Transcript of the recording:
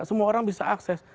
semua orang bisa akses